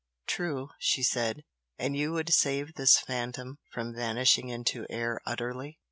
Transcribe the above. "True!" she said "And you would save this phantom from vanishing into air utterly?"